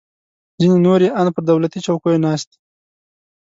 ځینې نور یې ان پر دولتي چوکیو ناست دي